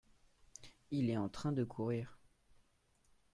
Il est en train de courrir.